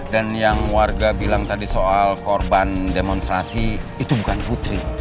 dan yang warga bilang tadi soal korban demonstrasi itu bukan putri